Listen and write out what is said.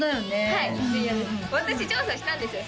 はい私調査したんですよ